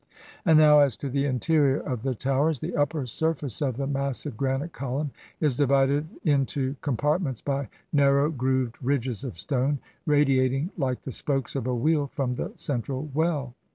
And now as to the interior of the Towers, the upper surface of the massive granite column is divided into compartments by narrow grooved ridges of stone, radi ating like the spokes of a wheel from the central well.